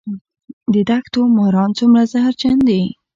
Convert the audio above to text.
د دښتو ماران څومره زهرجن دي؟